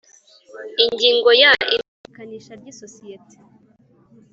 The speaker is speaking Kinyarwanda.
Ingingo ya imenyekanisha ry isosiyete